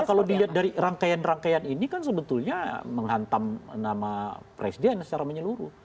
kalau dilihat dari rangkaian rangkaian ini kan sebetulnya menghantam nama presiden secara menyeluruh